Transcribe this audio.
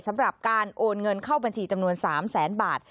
สำหรับการโอนเงินเข้าบัญชีจำนวน๓แสนบาท